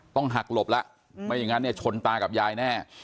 ต้องหักหลบแล้วไม่อย่างนั้นเนี่ยชนตากับยายแน่